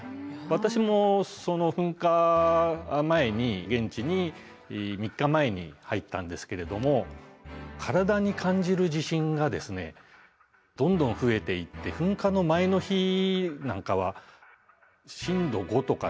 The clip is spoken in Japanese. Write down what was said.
私もその噴火前に現地に３日前に入ったんですけれども体に感じる地震がですねどんどん増えていって噴火の前の日なんかは震度５とかですね